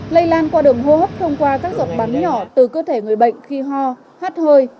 lây lan qua đường hô hấp thông qua các giọt bắn nhỏ từ cơ thể người bệnh khi ho hát hơi